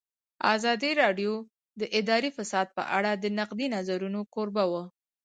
ازادي راډیو د اداري فساد په اړه د نقدي نظرونو کوربه وه.